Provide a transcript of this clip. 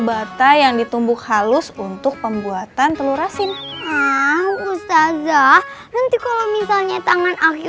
bata yang ditumbuk halus untuk pembuatan telur asin oh saza nanti kalau misalnya tangan akhir